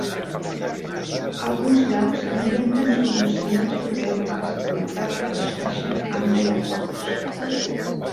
Alguns llocs intenten solucionar els problemes de seguretat de la xarxa amb tallafocs.